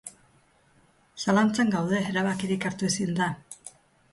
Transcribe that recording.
Zalantzan gaude, erabakirik hartu ezinda.